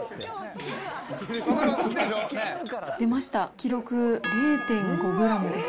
出ました、記録、０．５グラムです。